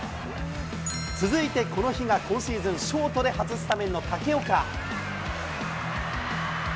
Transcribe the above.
続いてこの日が今シーズン、ショートで初スタメンの武岡。